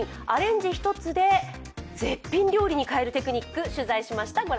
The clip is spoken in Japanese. アレンジ一つで絶品料理に変えるテクニック取材しました。